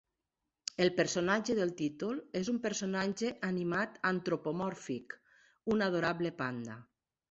El personatge del títol és un personatge animat antropomòrfic, un adorable panda.